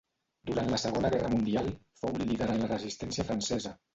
Durant la Segona Guerra Mundial, fou un líder en la resistència francesa.